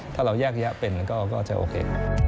ถ้าเราแยกแยะเป็นก็จะโอเค